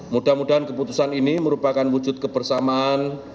mudah mudahan keputusan ini merupakan wujud kebersamaan